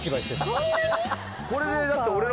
これでだって俺の。